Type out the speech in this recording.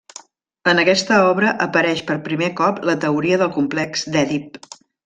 En aquesta obra apareix per primer cop la teoria del complex d'Èdip.